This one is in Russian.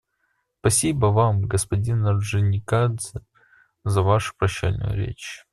Спасибо Вам, господин Орджоникидзе, за вашу прощальную речь.